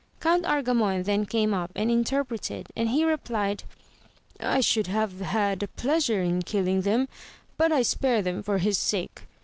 Count Argamon then came up and inter preted ; and he replied, I should have had a pleasure in killing them, but I spare them for his sake.